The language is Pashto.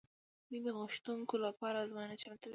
دوی د غوښتونکو لپاره ازموینه چمتو کوي.